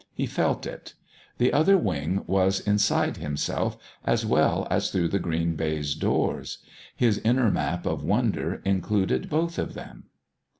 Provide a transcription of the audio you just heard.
He felt it. The Other Wing was inside himself as well as through the green baize doors. His inner map of wonder included both of them.